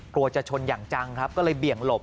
กลัวจะชนอย่างจังครับก็เลยเบี่ยงหลบ